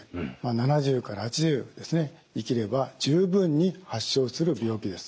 ７０から８０生きれば十分に発症する病気です。